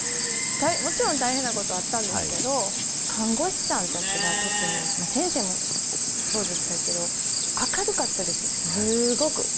もちろん大変なことあったんですけど、看護師さんたちが特に、先生もそうでしたけど、明るかったです、すごく。